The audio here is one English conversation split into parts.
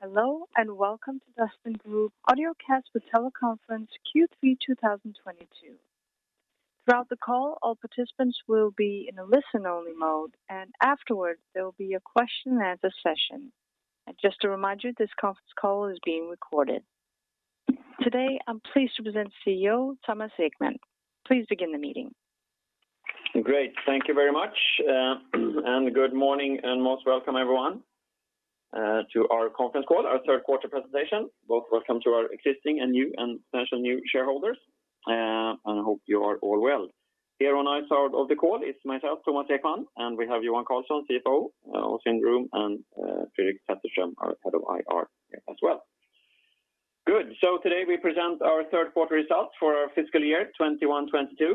Hello, and welcome to Dustin Group Audiocast with Teleconference Q3 2022. Throughout the call, all participants will be in a listen-only mode, and afterwards, there will be a question and answer session. Just to remind you, this conference call is being recorded. Today, I'm pleased to present CEO Thomas Ekman. Please begin the meeting. Great. Thank you very much, and good morning and most welcome, everyone, to our conference call, our third quarter presentation. Both welcome to our existing and potential new shareholders, and I hope you are all well. Here on our side of the call is myself, Thomas Ekman, and we have Johan Karlsson, CFO, also in the room, and Fredrik Sätterström, our head of IR as well. Good. Today we present our third quarter results for our fiscal year 2021-2022,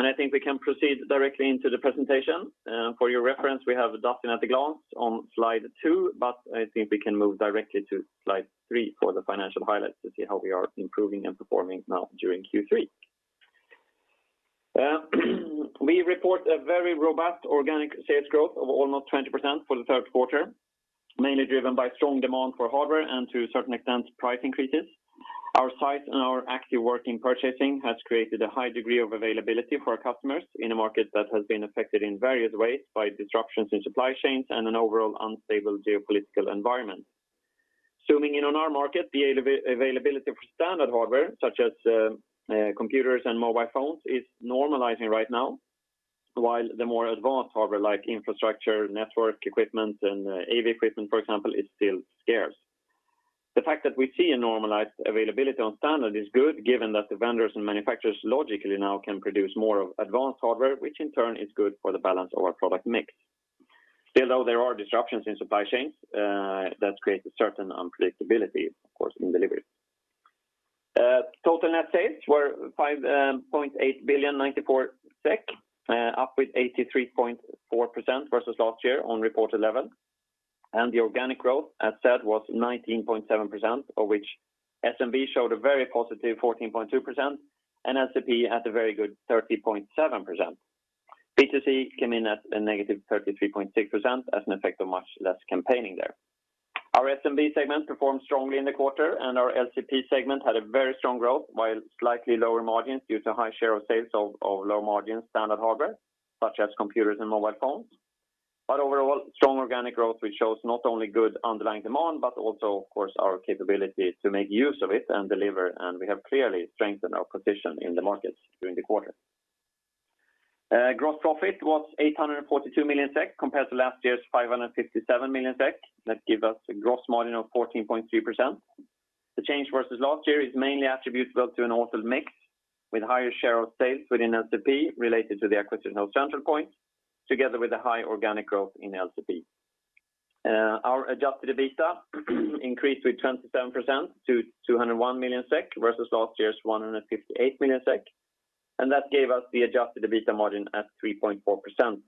and I think we can proceed directly into the presentation. For your reference, we have Dustin at a glance on slide two, but I think we can move directly to slide three for the financial highlights to see how we are improving and performing now during Q3. We report a very robust organic sales growth of almost 20% for the third quarter, mainly driven by strong demand for hardware and to a certain extent, price increases. Our size and our active work in purchasing has created a high degree of availability for our customers in a market that has been affected in various ways by disruptions in supply chains and an overall unstable geopolitical environment. Zooming in on our market, the availability for standard hardware, such as, computers and mobile phones, is normalizing right now, while the more advanced hardware like infrastructure, network equipment, and AV equipment, for example, is still scarce. The fact that we see a normalized availability on standard is good, given that the vendors and manufacturers logically now can produce more of advanced hardware, which in turn is good for the balance of our product mix. Still, though, there are disruptions in supply chains that create a certain unpredictability, of course, in delivery. Total net sales were 5.894 billion, up 83.4% versus last year on reported level. The organic growth, as said, was 19.7%, of which SMB showed a very positive 14.2% and LCP had a very good 30.7%. B2C came in at a -33.6% as an effect of much less campaigning there. Our SMB segment performed strongly in the quarter, and our LCP segment had a very strong growth, while slightly lower margins due to high share of sales of low margin standard hardware, such as computers and mobile phones. Overall, strong organic growth, which shows not only good underlying demand, but also, of course, our capability to make use of it and deliver, and we have clearly strengthened our position in the markets during the quarter. Gross profit was 842 million SEK compared to last year's 557 million SEK. That give us a gross margin of 14.3%. The change versus last year is mainly attributable to an altered mix with higher share of sales within LCP related to the acquisition of Centralpoint, together with the high organic growth in LCP. Our adjusted EBITDA increased with 27% to 201 million SEK versus last year's 158 million SEK, and that gave us the adjusted EBITDA margin at 3.4% for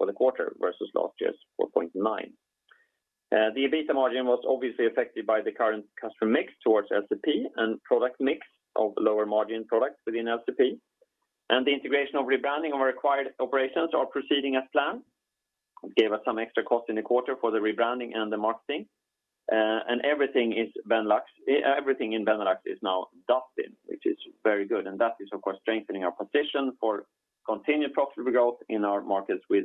the quarter versus last year's 4.9%. The EBITDA margin was obviously affected by the current customer mix towards LCP and product mix of lower margin products within LCP. The integration of rebranding of acquired operations are proceeding as planned, gave us some extra cost in the quarter for the rebranding and the marketing. Everything in Benelux is now Dustin, which is very good, and that is, of course, strengthening our position for continued profitable growth in our markets with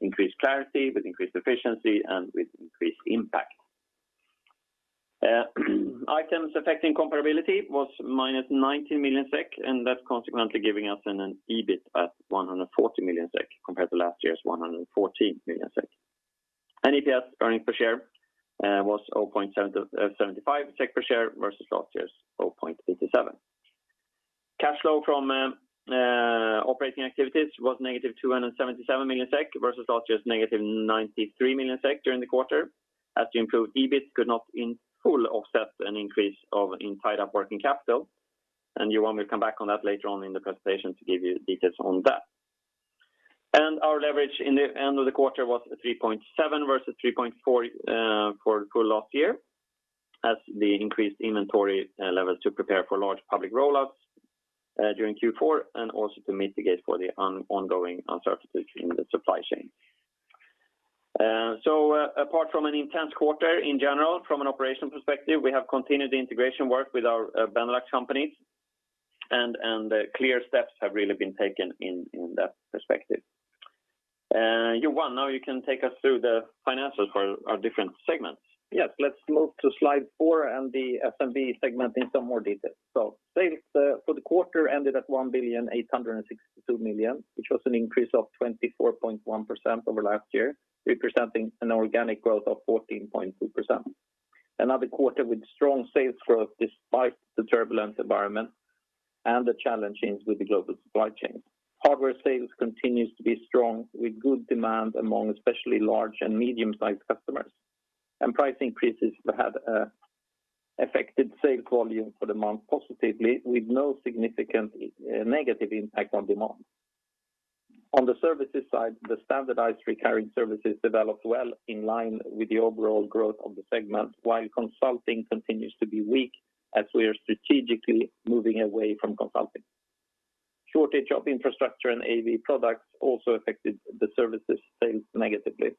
increased clarity, with increased efficiency, and with increased impact. Items affecting comparability was -90 million SEK, and that's consequently giving us an EBIT of 140 million SEK compared to last year's 114 million SEK. EPS, earnings per share, was 0.75 SEK per share versus last year's 0.57. Cash flow from operating activities was -277 million SEK versus last year's -93 million SEK during the quarter. As EBIT improved, it could not fully offset an increase in tied-up working capital. Johan will come back on that later on in the presentation to give you details on that. Our leverage at the end of the quarter was 3.7 versus 3.4 for full last year as the increased inventory levels to prepare for large public roll-ups during Q4 and also to mitigate for the ongoing uncertainties in the supply chain. Apart from an intense quarter in general, from an operational perspective, we have continued the integration work with our Benelux companies and clear steps have really been taken in that perspective. Johan, now you can take us through the financials for our different segments. Yes. Let's move to slide four and the SMB segment in some more detail. Sales for the quarter ended at 1,862 million, which was an increase of 24.1% over last year, representing an organic growth of 14.2%. Another quarter with strong sales growth despite the turbulent environment and the challenge change with the global supply chain. Hardware sales continues to be strong with good demand among especially large and medium-sized customers. Price increases have affected sales volume for the month positively with no significant negative impact on demand. On the services side, the standardized recurring services developed well in line with the overall growth of the segment, while consulting continues to be weak as we are strategically moving away from consulting. Shortage of infrastructure and AV products also affected the services sales negatively.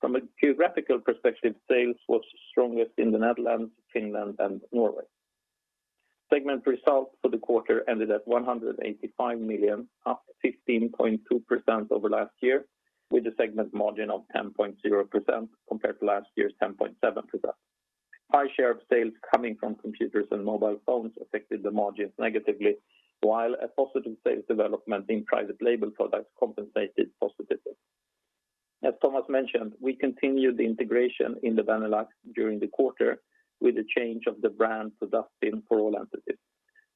From a geographical perspective, sales was strongest in the Netherlands, Finland and Norway. Segment results for the quarter ended at 185 million, up 15.2% over last year, with a segment margin of 10.0% compared to last year's 10.7%. High share of sales coming from computers and mobile phones affected the margins negatively, while a positive sales development in private label products compensated positively. As Thomas mentioned, we continued the integration in the Benelux during the quarter with a change of the brand to Dustin for all entities.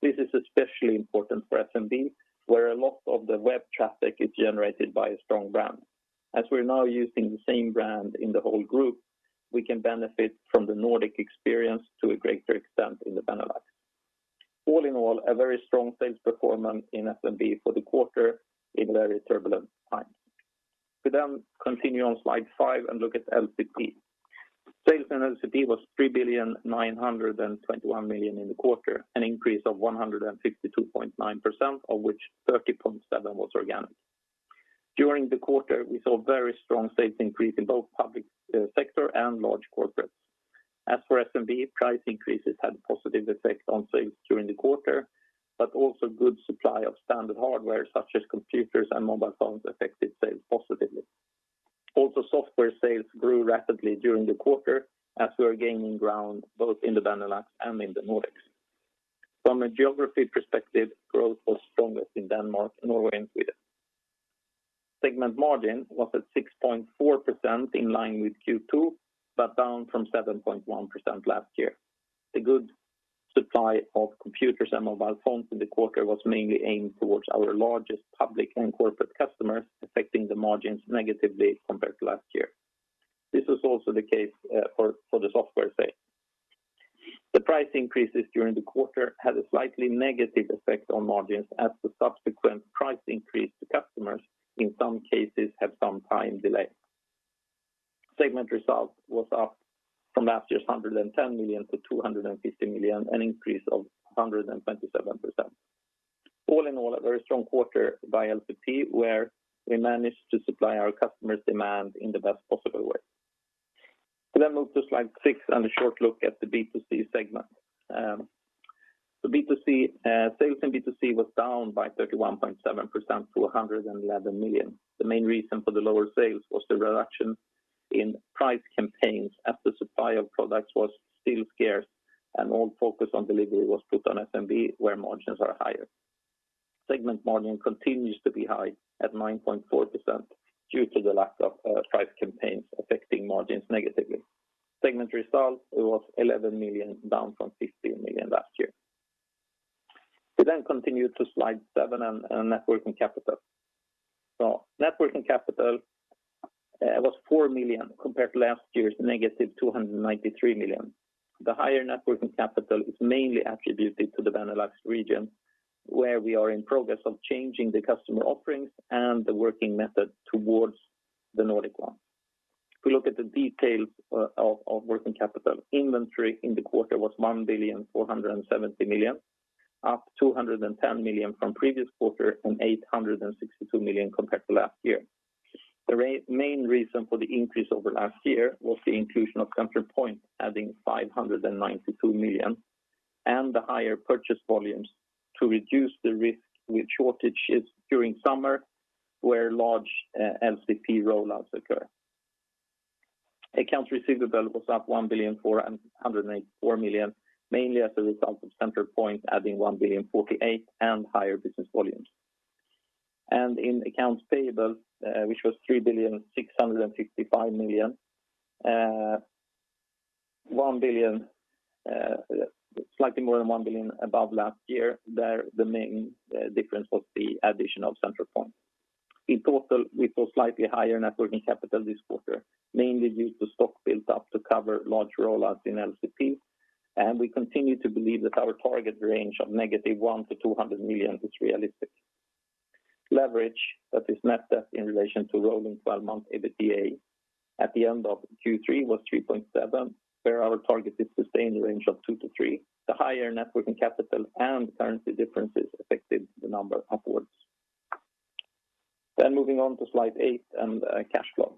This is especially important for SMB, where a lot of the web traffic is generated by a strong brand. As we're now using the same brand in the whole group, we can benefit from the Nordic experience to a greater extent in the Benelux. All in all, a very strong sales performance in SMB for the quarter in very turbulent times. We continue on slide five and look at LCP. Sales in LCP was 3,921 million in the quarter, an increase of 152.9%, of which 30.7% was organic. During the quarter, we saw very strong sales increase in both public sector and large corporates. As for SMB, price increases had positive effect on sales during the quarter, but also good supply of standard hardware such as computers and mobile phones affected sales positively. Also, software sales grew rapidly during the quarter as we are gaining ground both in the Benelux and in the Nordics. From a geography perspective, growth was strongest in Denmark, Norway and Sweden. Segment margin was at 6.4% in line with Q2, but down from 7.1% last year. The good supply of computers and mobile phones in the quarter was mainly aimed towards our largest public and corporate customers, affecting the margins negatively compared to last year. This was also the case for the software sale. The price increases during the quarter had a slightly negative effect on margins as the subsequent price increase to customers in some cases have some time delay. Segment result was up from last year's 110 million to 250 million, an increase of 127%. All in all, a very strong quarter by LCP, where we managed to supply our customers' demand in the best possible way. We then move to slide six and a short look at the B2C segment. The B2C sales in B2C was down by 31.7% to 111 million. The main reason for the lower sales was the reduction in price campaigns as the supply of products was still scarce and all focus on delivery was put on SMB, where margins are higher. Segment margin continues to be high at 9.4% due to the lack of price campaigns affecting margins negatively. Segment result was 11 million, down from 15 million last year. We then continue to slide seven and net working capital. Net working capital was 4 million compared to last year's -293 million. The higher net working capital is mainly attributed to the Benelux region, where we are in progress of changing the customer offerings and the working method towards the Nordic one. If we look at the details of working capital, inventory in the quarter was 1,470 million, up 210 million from previous quarter and 862 million compared to last year. The main reason for the increase over last year was the inclusion of Centralpoint adding 592 million and the higher purchase volumes to reduce the risk with shortages during summer where large LCP rollouts occur. Accounts receivable was up 1,484 million, mainly as a result of Centralpoint adding 1,048 million and higher business volumes. In accounts payable, which was 3,665 million, slightly more than 1 billion above last year. The main difference was the addition of Centralpoint. In total, we saw slightly higher net working capital this quarter, mainly due to stock built up to cover large rollouts in LCP. We continue to believe that our target range of -100 million--200 million is realistic. Leverage that is net debt in relation to rolling 12-month EBITDA at the end of Q3 was 3.7, where our target is to stay in the range of 2-3. The higher net working capital and currency differences affected the number upwards. Moving on to slide eight and cash flow.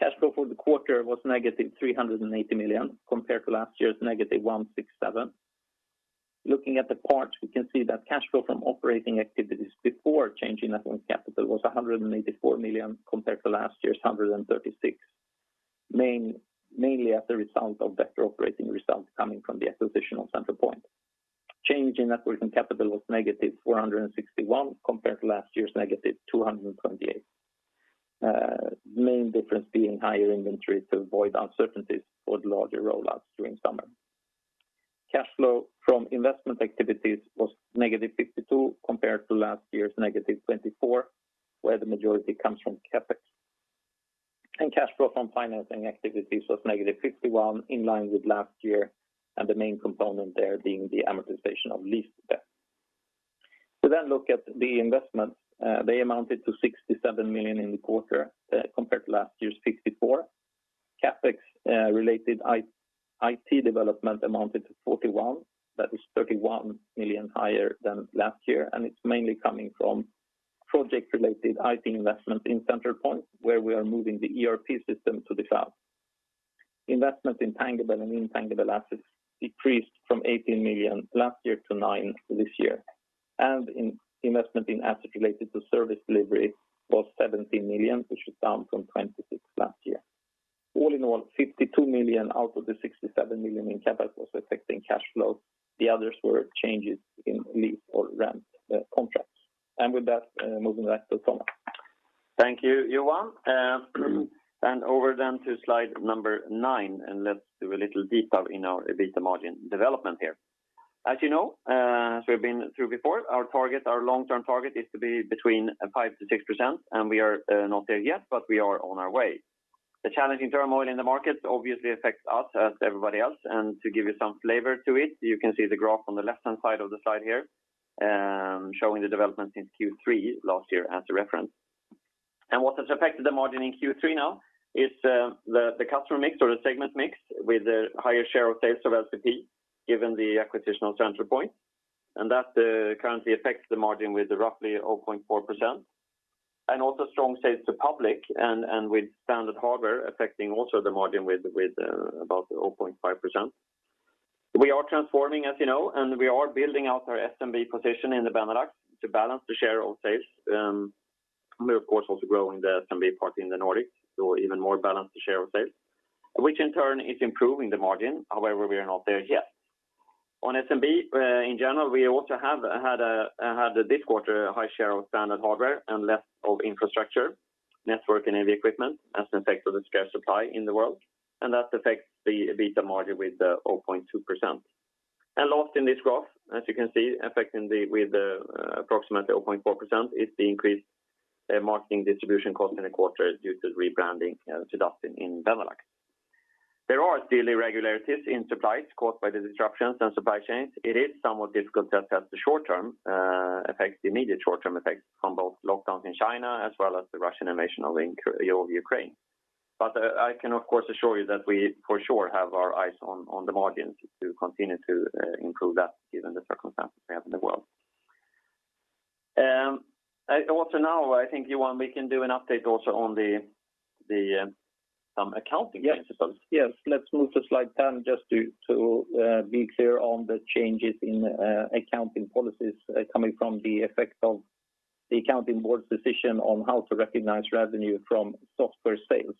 Cash flow for the quarter was -380 million compared to last year's -167 million. Looking at the parts, we can see that cash flow from operating activities before change in net working capital was 184 million compared to last year's 136 million, mainly as a result of better operating results coming from the acquisition of Centralpoint. Change in net working capital was -461 million compared to last year's -228 million. Main difference being higher inventory to avoid uncertainties for the larger rollouts during summer. Cash flow from investment activities was -52 million compared to last year's -24 million, where the majority comes from CapEx. Cash flow from financing activities was -51 million, in line with last year, and the main component there being the amortization of lease debt. We look at the investments. They amounted to 67 million in the quarter, compared to last year's 64 million. CapEx related to IT development amounted to 41 million. That is 31 million higher than last year, and it's mainly coming from project-related IT investment in Centralpoint, where we are moving the ERP system to the cloud. Investment in tangible and intangible assets decreased from 18 million last year to 9 million this year. Investment in assets related to service delivery was 17 million, which is down from 26 million last year. All in all, 52 million out of the 67 million in CapEx was affecting cash flow. The others were changes in lease or rent contracts. With that, moving back to Thomas. Thank you, Johan. Over to slide number nine, and let's do a little detail in our EBITDA margin development here. As you know, as we've been through before, our target, our long-term target is to be between 5%-6%, and we are not there yet, but we are on our way. The challenging turmoil in the market obviously affects us as everybody else. To give you some flavor to it, you can see the graph on the left-hand side of the slide here, showing the development in Q3 last year as a reference. What has affected the margin in Q3 now is the customer mix or the segment mix with the higher share of sales of SMB, given the acquisition of Centralpoint. That currently affects the margin with roughly 0.4%. Also strong sales to public and with standard hardware affecting also the margin with about 0.5%. We are transforming, as you know, and we are building out our SMB position in the Benelux to balance the share of sales. We're of course also growing the SMB part in the Nordics, so even more balanced share of sales, which in turn is improving the margin. However, we are not there yet. On SMB, in general, we also have had this quarter a high share of standard hardware and less of infrastructure, network, and AV equipment as an effect of the scarce supply in the world, and that affects the EBITDA margin with 0.2%. Last in this graph, as you can see, affecting with approximately 0.4% is the increased marketing distribution cost in the quarter due to rebranding to Dustin in Benelux. There are still irregularities in supplies caused by the disruptions in supply chains. It is somewhat difficult to assess the short term effects, the immediate short term effects from both lockdowns in China as well as the Russian invasion of Ukraine. I can of course assure you that we for sure have our eyes on the margins to continue to improve that given the circumstances we have in the world. I also now think, Johan, we can do an update also on the some accounting principles. Yes. Let's move to slide 10 just to be clear on the changes in accounting policies coming from the effect of the accounting board's decision on how to recognize revenue from software sales.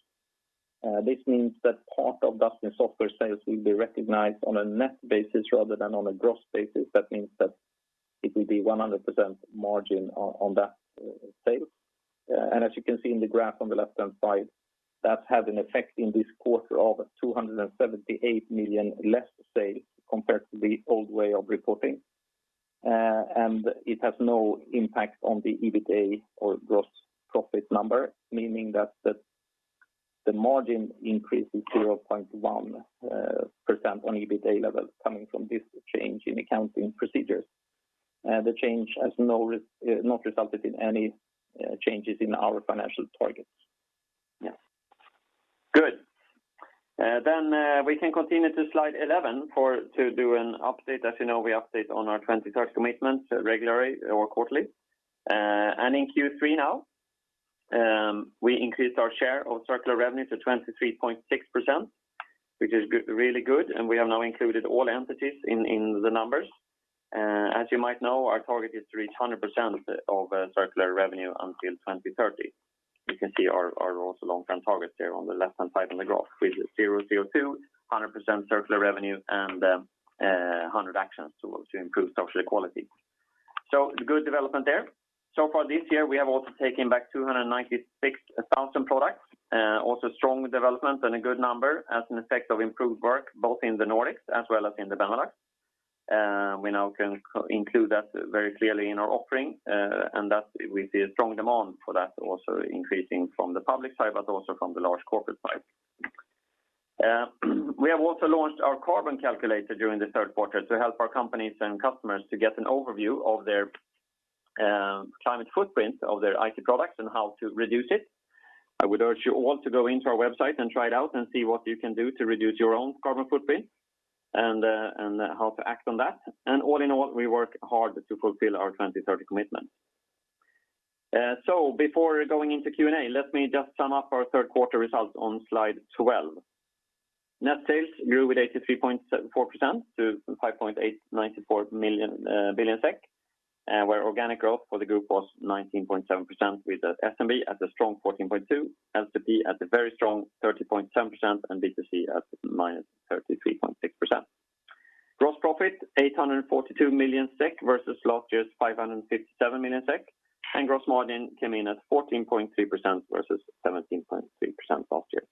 This means that part of Dustin's software sales will be recognized on a net basis rather than on a gross basis. That means that it will be 100% margin on that sales. As you can see in the graph on the left-hand side, that had an effect in this quarter of 278 million less sales compared to the old way of reporting. It has no impact on the EBITA or gross profit number, meaning that the margin increase is 0.1% on EBITA level coming from this change in accounting procedures. The change has not resulted in any changes in our financial targets. Yes. Good. Then we can continue to slide 11 to do an update. As you know, we update on our 2030 commitments regularly or quarterly. In Q3 now, we increased our share of circular revenue to 23.6%, which is really good, and we have now included all entities in the numbers. As you might know, our target is to reach 100% of circular revenue until 2030. You can see our also long-term targets there on the left-hand side on the graph with zero CO2, 100% circular revenue, and 100 actions to improve social equality. Good development there. So far this year, we have also taken back 296,000 products. Also strong development and a good number as an effect of improved work both in the Nordics as well as in the Benelux. We now can include that very clearly in our offering, and that we see a strong demand for that also increasing from the public side, but also from the large corporate side. We have also launched our carbon calculator during the third quarter to help our companies and customers to get an overview of their climate footprint of their IT products and how to reduce it. I would urge you all to go into our website and try it out and see what you can do to reduce your own carbon footprint and how to act on that. All in all, we work hard to fulfill our 2030 commitment. Before going into Q&A, let me just sum up our third quarter results on slide 12. Net sales grew with 83.4% to 5.894 billion SEK, where organic growth for the group was 19.7%, with SMB at a strong 14.2%, LCP at a very strong 30.7%, and B2C at -33.6%. Gross profit, 842 million SEK versus last year's 557 million SEK, and gross margin came in at 14.3% versus 17.3% last year.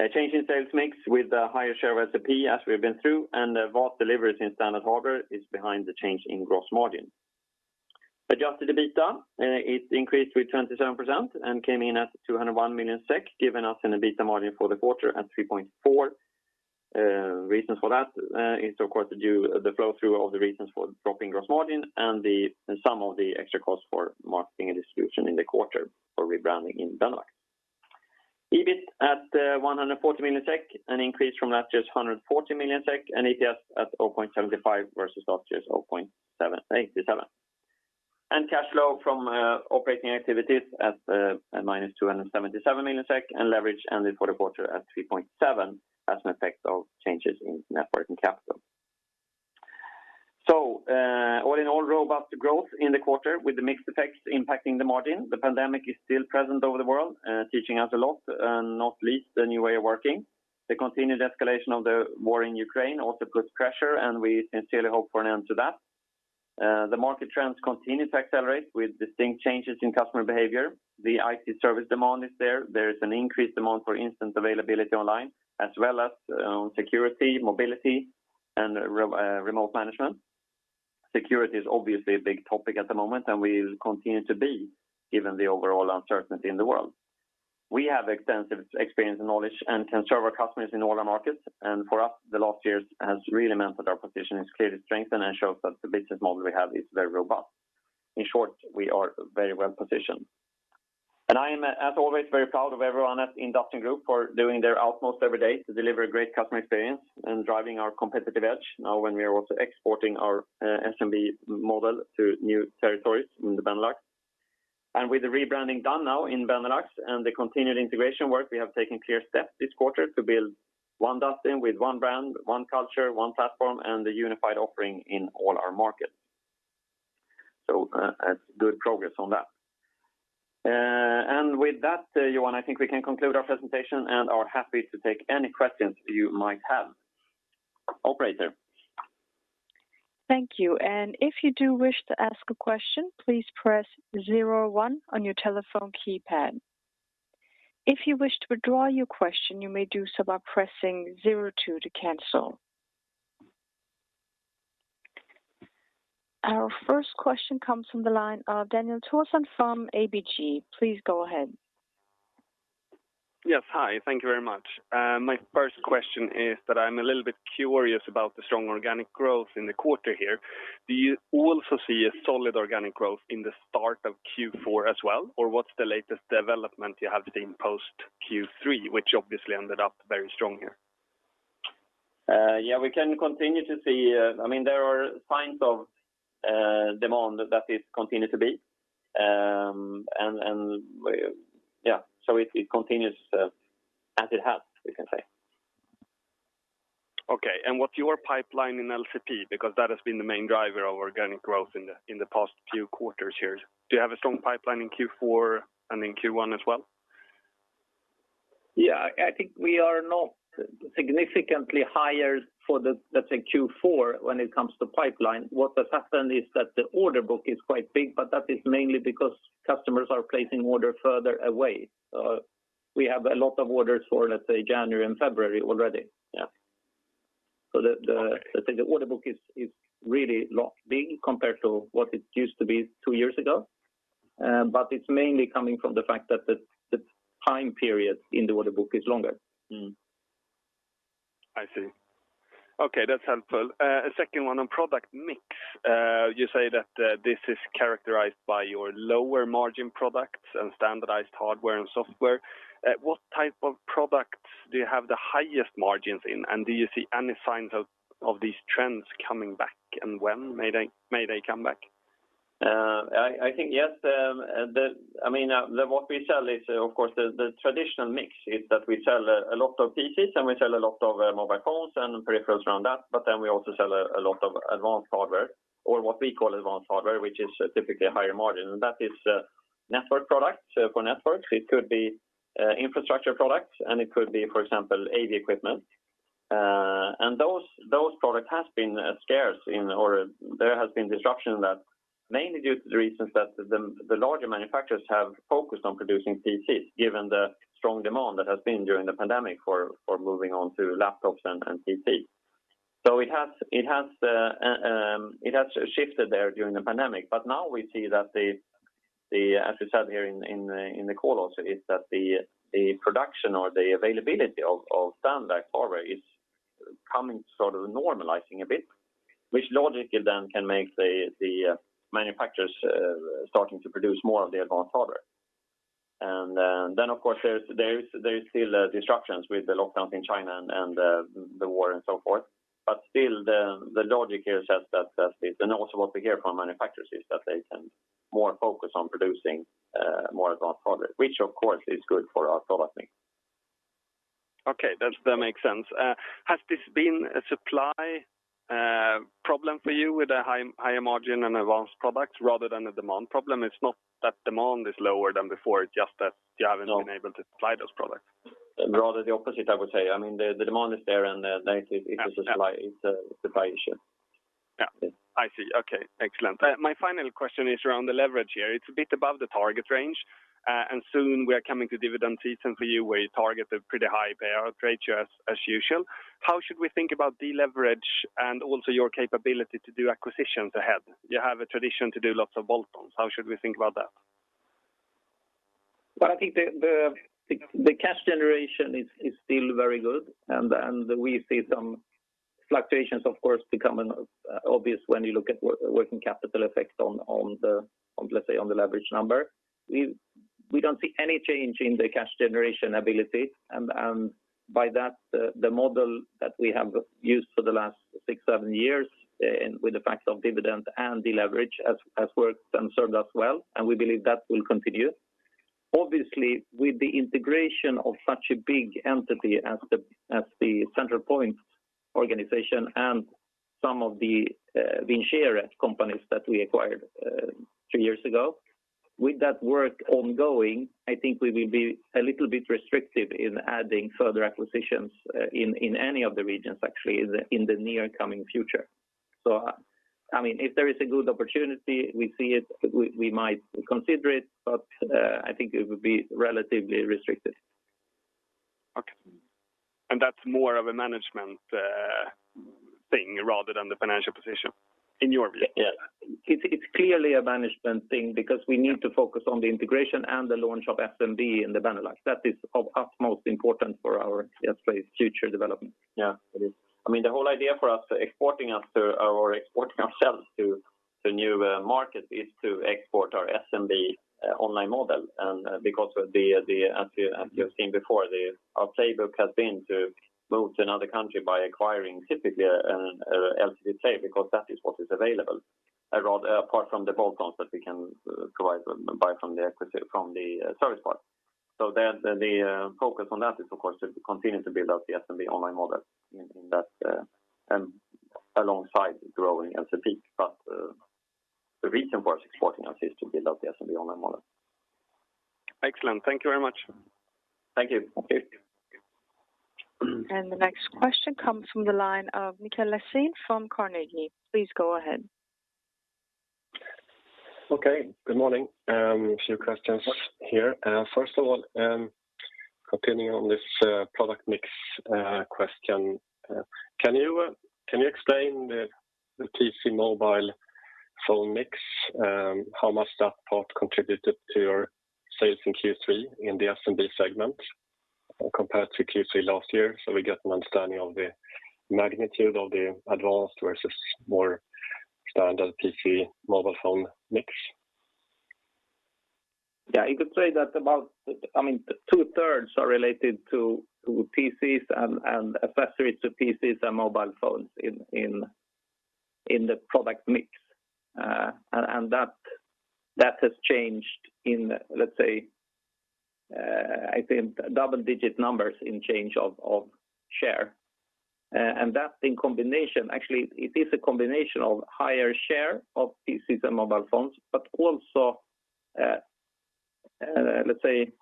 A change in sales mix with a higher share of LCP, as we've been through, and vast deliveries in standard hardware is behind the change in gross margin. Adjusted EBITDA increased 27% and came in at 201 million SEK, giving us an EBITDA margin for the quarter at 3.4%. Reasons for that is of course due to the flow through of the reasons for dropping gross margin and some of the extra costs for marketing and distribution in the quarter for rebranding in Benelux. EBIT at 140 million SEK, an increase from last year's 140 million SEK, and EPS at 0.75 versus last year's 0.78. Cash flow from operating activities at -277 million SEK and leverage ended for the quarter at 3.7 as an effect of changes in net working capital. All in all, robust growth in the quarter with the mixed effects impacting the margin. The pandemic is still present over the world, teaching us a lot, not least the new way of working. The continued escalation of the war in Ukraine also puts pressure, and we sincerely hope for an end to that. The market trends continue to accelerate with distinct changes in customer behavior. The IT service demand is there. There is an increased demand, for instance, availability online, as well as, security, mobility, and remote management. Security is obviously a big topic at the moment, and will continue to be given the overall uncertainty in the world. We have extensive experience and knowledge and can serve our customers in all our markets. For us, the last years has really meant that our position is clearly strengthened and shows that the business model we have is very robust. In short, we are very well positioned. I am, as always, very proud of everyone at Dustin Group for doing their utmost every day to deliver a great customer experience and driving our competitive edge now when we are also exporting our SMB model to new territories in the Benelux. With the rebranding done now in Benelux and the continued integration work, we have taken clear steps this quarter to build one Dustin with one brand, one culture, one platform, and a unified offering in all our markets. That's good progress on that. With that, Johan, I think we can conclude our presentation and are happy to take any questions you might have. Operator. Thank you. If you do wish to ask a question, please press zero one on your telephone keypad. If you wish to withdraw your question, you may do so by pressing zero two to cancel. Our first question comes from the line of Daniel Thorsson from ABG. Please go ahead. Yes. Hi. Thank you very much. My first question is that I'm a little bit curious about the strong organic growth in the quarter here. Do you also see a solid organic growth in the start of Q4 as well? Or what's the latest development you have seen post Q3, which obviously ended up very strong here? Yeah, we can continue to see. I mean, there are signs of demand that it continue to be. Yeah. It continues as it has, we can say. Okay. What's your pipeline in LCP? Because that has been the main driver of organic growth in the past few quarters here. Do you have a strong pipeline in Q4 and in Q1 as well? Yeah. I think we are not significantly higher for the, let's say Q4 when it comes to pipeline. What has happened is that the order book is quite big, but that is mainly because customers are placing order further away. We have a lot of orders for, let's say, January and February already. Yeah. Okay. The order book is really a lot bigger compared to what it used to be two years ago. It's mainly coming from the fact that the time period in the order book is longer. I see. Okay. That's helpful. A second one on product mix. You say that this is characterized by your lower margin products and standardized hardware and software. What type of products do you have the highest margins in? And do you see any signs of these trends coming back, and when may they come back? I think, yes. I mean, what we sell is, of course, the traditional mix is that we sell a lot of PCs, and we sell a lot of mobile phones and peripherals around that, but then we also sell a lot of advanced hardware or what we call advanced hardware, which is typically a higher margin. That is network products for networks. It could be infrastructure products, and it could be, for example, AV equipment. Those products has been scarce in order. There has been disruption in that, mainly due to the reasons that the larger manufacturers have focused on producing PCs, given the strong demand that has been during the pandemic for moving on to laptops and PCs. It has shifted there during the pandemic. Now we see that, as you said here in the call also, the production or the availability of standard hardware is coming sort of normalizing a bit, which logically then can make the manufacturers starting to produce more of the advanced hardware. Then of course, there's still disruptions with the lockdowns in China and the war and so forth. Still the logic here says that it's. Also what we hear from manufacturers is that they can more focus on producing more advanced products, which of course is good for our product mix. Okay. That makes sense. Has this been a supply problem for you with a higher margin and advanced products rather than a demand problem? It's not that demand is lower than before, it's just that you haven't- No. been able to supply those products. Rather the opposite, I would say. I mean, the demand is there and then it is supply, it's a supply issue. Yeah. I see. Okay. Excellent. My final question is around the leverage here. It's a bit above the target range, and soon we are coming to dividend season for you, where you target a pretty high payout ratio as usual. How should we think about deleverage and also your capability to do acquisitions ahead? You have a tradition to do lots of bolt-ons. How should we think about that? I think the cash generation is still very good and we see some fluctuations, of course, becoming obvious when you look at working capital effects on the leverage number. We don't see any change in the cash generation ability and by that the model that we have used for the last six, seven years and with the fact of dividend and the leverage has worked and served us well, and we believe that will continue. Obviously, with the integration of such a big entity as the Centralpoint organization and some of the Vincere companies that we acquired two years ago. With that work ongoing, I think we will be a little bit restrictive in adding further acquisitions in any of the regions actually in the near coming future. I mean, if there is a good opportunity, we see it, we might consider it, but I think it would be relatively restricted. Okay. That's more of a management thing rather than the financial position in your view? Yes. It's clearly a management thing because we need to focus on the integration and the launch of SMB in the Benelux. That is of utmost important for our, let's say, future development. Yeah, it is. I mean, the whole idea for us exporting ourselves to new markets is to export our SMB online model, because as you have seen before, our playbook has been to move to another country by acquiring typically an LTV play because that is what is available. Rather apart from the bolt-ons that we can provide from the service part. The focus on that is of course to continue to build out the SMB online model in that and alongside growing LCP. The reason for exporting us is to build out the SMB online model. Excellent. Thank you very much. Thank you. Okay. The next question comes from the line of Mikael Laséen from Carnegie. Please go ahead. Okay, good morning. A few questions here. First of all, continuing on this product mix question. Can you explain the PC mobile phone mix? How much that part contributed to your sales in Q3 in the SMB segment compared to Q3 last year? We get an understanding of the magnitude of the advanced versus more standard PC mobile phone mix. Yeah. You could say that about, I mean, two-thirds are related to PCs and accessories to PCs and mobile phones in the product mix. That has changed in, let's say, I think double-digit numbers in change of share. That in combination. Actually, it is a combination of higher share of PCs and mobile phones, but also, let's say,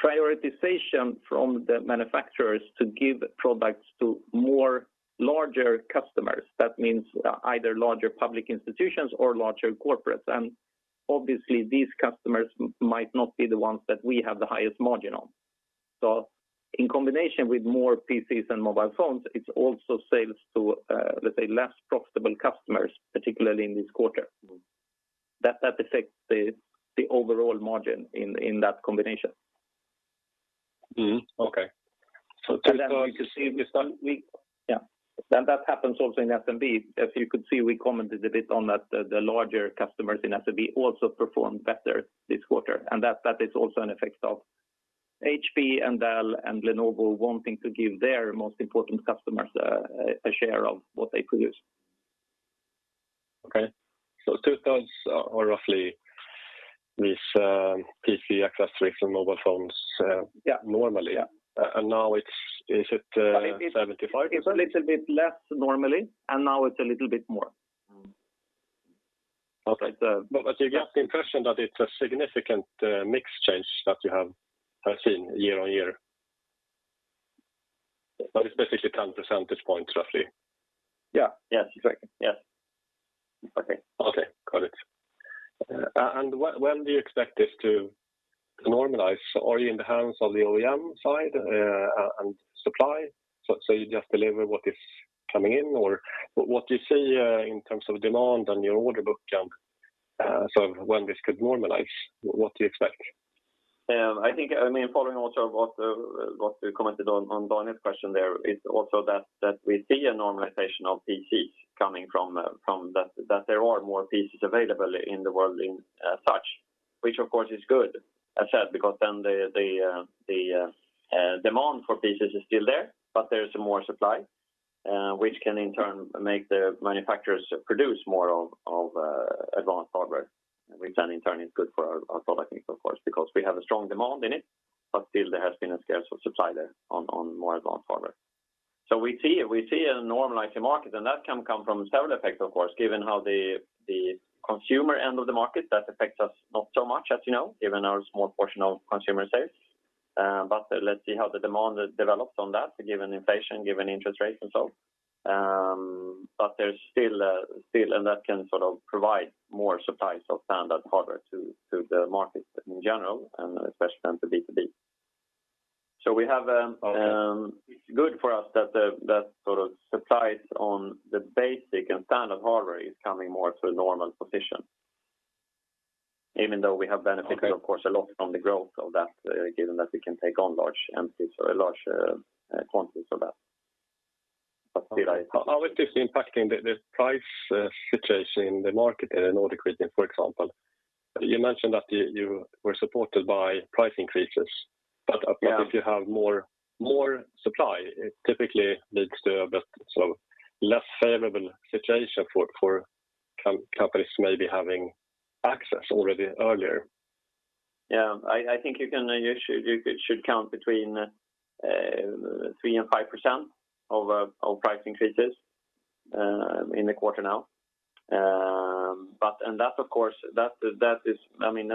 prioritization from the manufacturers to give products to more larger customers. That means either larger public institutions or larger corporates. Obviously these customers might not be the ones that we have the highest margin on. In combination with more PCs and mobile phones, it's also sales to, let's say, less profitable customers, particularly in this quarter. That affects the overall margin in that combination. Mm-hmm. Okay. You can see that happens also in SMB. As you could see, we commented a bit on that the larger customers in SMB also performed better this quarter, and that is also an effect of HP and Dell and Lenovo wanting to give their most important customers a share of what they produce. Okay. Two-thirds are roughly with PC accessories and mobile phones. Yeah. -normally. Yeah. And now it's... Is it, uh, 75? It's a little bit less normally, and now it's a little bit more. Okay. You get the impression that it's a significant mix change that you have seen year-on-year. It's basically 10 percentage points, roughly. Yeah. Yes, exactly. Yeah. Okay. Got it. When do you expect this to normalize? Are you in the hands of the OEM side and supply? You just deliver what is coming in or what you see in terms of demand on your order book, and so when this could normalize? What do you expect? I think, I mean, following also what we commented on Daniel Thorsson's question there is also that we see a normalization of PCs coming from that there are more PCs available in the world in such, which of course is good, I said, because then the demand for PCs is still there, but there is more supply, which can in turn make the manufacturers produce more of advanced hardware, which then in turn is good for our product mix of course, because we have a strong demand in it, but still there has been a scarcity of supply there on more advanced hardware. We see a normalizing market, and that can come from several effects of course, given how the consumer end of the market that affects us not so much as you know, given our small portion of consumer sales. But let's see how the demand develops on that given inflation, given interest rates and so. But there's still and that can sort of provide more supply of standard hardware to the market in general and especially then to B2B. We have Okay. It's good for us that that sort of supplies on the basic and standard hardware is coming more to a normal position. Even though we have benefited. Okay. Of course, a lot from the growth of that, given that we can take on large quantities of that. Still I- How is this impacting the price situation in the market in the Nordic region, for example? You mentioned that you were supported by price increases. But Yeah. If you have more supply, it typically leads to a bit sort of less favorable situation for companies maybe having access already earlier. Yeah. I think you should count between 3% and 5% of price increases in the quarter now. That of course is, I mean,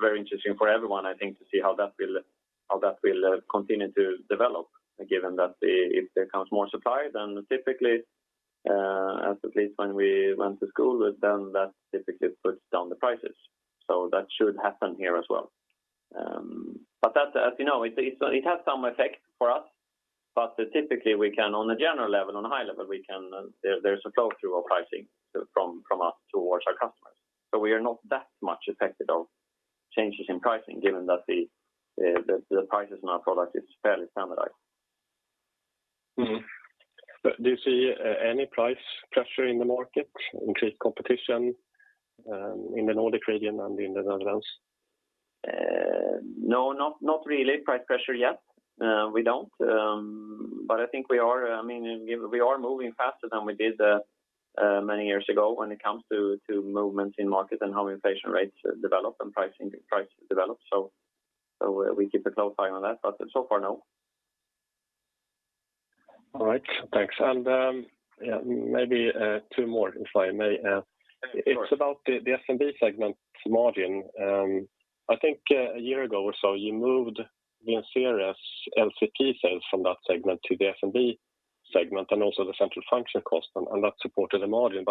very interesting for everyone, I think, to see how that will continue to develop, given that if there comes more supply, then typically, at least when we went to school, then that typically puts down the prices. That should happen here as well. That, as you know, it has some effect for us. Typically, we can on a general level, on a high level, there's a flow through of pricing from us towards our customers. We are not that much affected of changes in pricing given that the prices in our product is fairly standardized. Do you see any price pressure in the market, increased competition, in the Nordic region and in the Netherlands? No, not really price pressure yet. We don't. I think we are, I mean, we are moving faster than we did many years ago when it comes to movements in market and how inflation rates develop and pricing, prices develop. We keep a close eye on that, but so far, no. All right. Thanks. Yeah, maybe two more, if I may. Sure. It's about the SMB segment margin. I think a year ago or so, you moved Vincere's LCP sales from that segment to the SMB segment, and also the central function cost, and that supported the margin.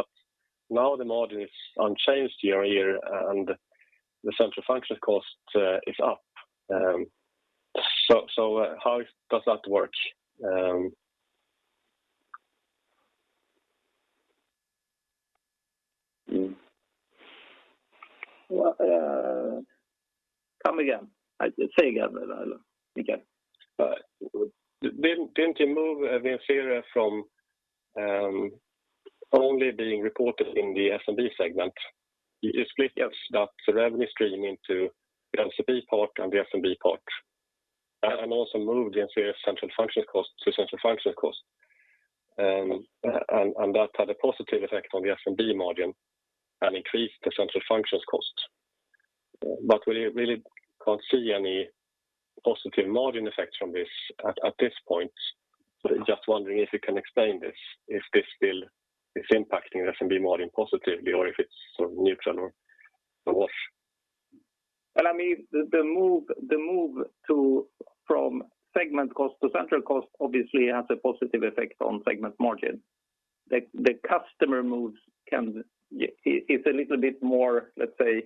Now the margin is unchanged year-over-year, and the central function cost is up. So how does that work? Well, come again. Say again. Didn't you move Vincere from only being reported in the SMB segment? You split that revenue stream into the LCP part and the SMB part, and also moved the Vincere central function cost to central function cost. That had a positive effect on the SMB margin and increased the central functions cost. We really can't see any positive margin effect from this at this point. Just wondering if you can explain this, if this still is impacting the SMB margin positively, or if it's sort of neutral or a wash. Well, I mean, the move from segment cost to central cost obviously has a positive effect on segment margin. The customer moves, it's a little bit more, let's say,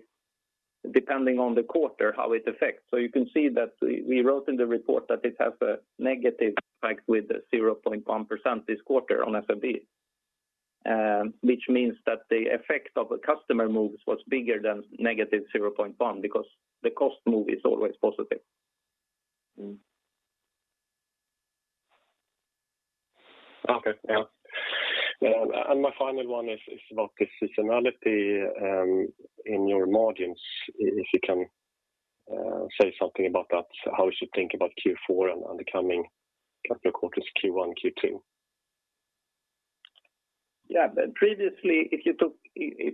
depending on the quarter, how it affects. You can see that we wrote in the report that it has a negative effect with 0.1% this quarter on SMB. Which means that the effect of the customer moves was bigger than -0.1, because the cost move is always positive. Mm-hmm. Okay. Yeah. My final one is about the seasonality in your margins, if you can say something about that. How we should think about Q4 and the coming couple of quarters, Q1, Q2? Yeah. Previously, if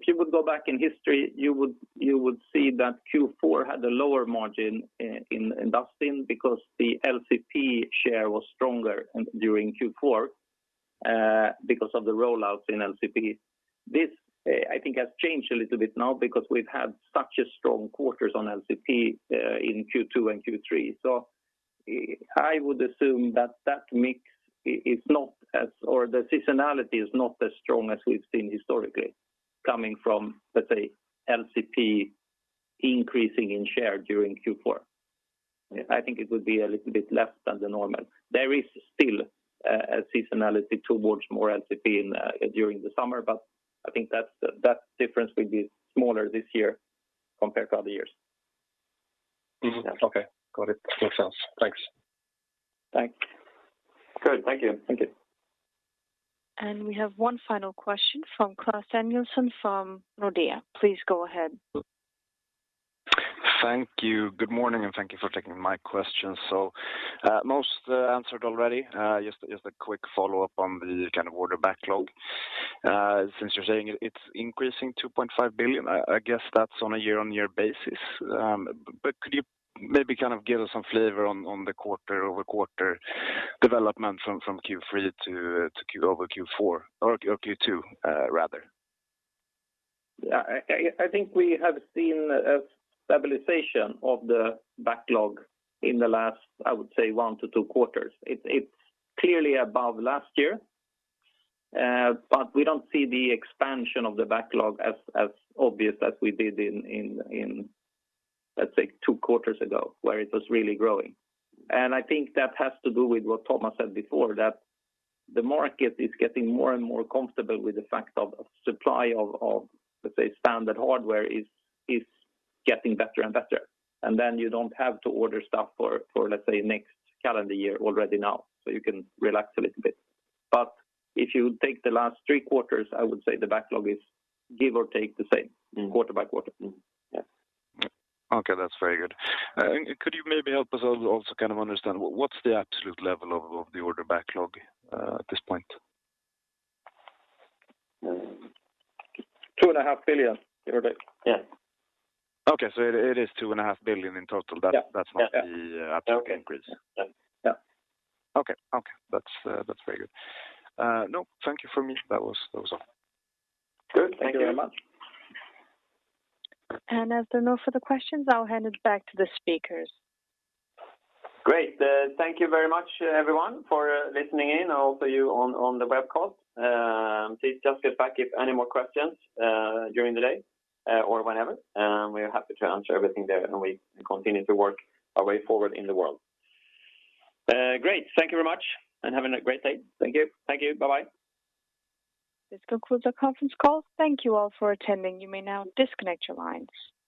you would go back in history, you would see that Q4 had a lower margin in Dustin because the LCP share was stronger during Q4 because of the rollouts in LCP. This, I think has changed a little bit now because we've had such a strong quarters on LCP in Q2 and Q3. I would assume that mix is not as, or the seasonality is not as strong as we've seen historically coming from, let's say, LCP increasing in share during Q4. I think it would be a little bit less than the normal. There is still a seasonality towards more LCP during the summer, but I think that difference will be smaller this year compared to other years. Okay. Got it. Makes sense. Thanks. Thank you. Good. Thank you. Thank you. We have one final question from Klas Danielsson from Nordea. Please go ahead. Thank you. Good morning, and thank you for taking my question. Most answered already. Just a quick follow-up on the kind of order backlog. Since you're saying it's increasing 2.5 billion, I guess that's on a year-on-year basis. Could you maybe kind of give us some flavor on the quarter-over-quarter development from Q3 to Q4 or Q2 rather? Yeah. I think we have seen a stabilization of the backlog in the last, I would say one to two quarters. It's clearly above last year, but we don't see the expansion of the backlog as obvious as we did in, let's say two quarters ago, where it was really growing. I think that has to do with what Thomas said before, that the market is getting more and more comfortable with the fact of supply of, let's say, standard hardware is getting better and better. Then you don't have to order stuff for, let's say, next calendar year already now. You can relax a little bit. If you take the last three quarters, I would say the backlog is give or take the same quarter by quarter. Okay. That's very good. Could you maybe help us also kind of understand what's the absolute level of the order backlog at this point? 2.5 billion, give or take. Yeah. Okay. It is 2.5 billion in total. Yeah. That's not the absolute increase. Yeah. Okay. That's very good. No, thank you for me. That was all. Good. Thank you very much. As there are no further questions, I'll hand it back to the speakers. Great. Thank you very much, everyone, for listening in, also you on the web call. Please just get back if any more questions, during the day, or whenever. We are happy to answer everything there, and we continue to work our way forward in the world. Great. Thank you very much, and have a great day. Thank you. Thank you. Bye-bye. This concludes our conference call. Thank you all for attending. You may now disconnect your lines. Thank you.